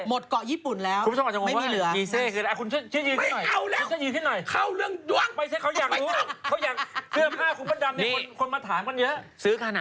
ให้เรียกว่าอิเซแทน